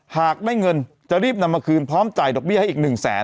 หากได้เงินจะรีบนำมาคืนพร้อมจ่ายดอกเบี้ยให้อีก๑แสน